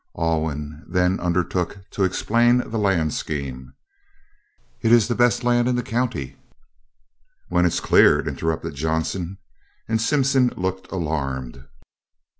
Alwyn then undertook to explain the land scheme. "It is the best land in the county " "When it's cl'ared," interrupted Johnson, and Simpson looked alarmed.